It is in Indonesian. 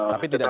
tapi tidak jadi